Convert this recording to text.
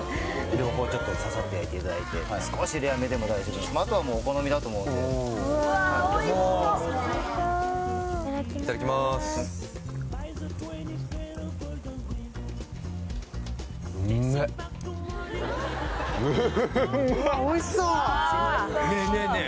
両方ちょっとささっと焼いていただいて少しレアめでも大丈夫あとはもうお好みだと思うのでおおうわおいしそういただきまーすいただきまーす・うわおいしそうねえねえねえ